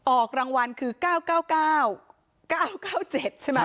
ออกรางวัลคือ๙๙๙๙๙๗ใช่ไหม